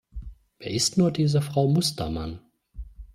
Wer ist nur diese Frau Mustermann?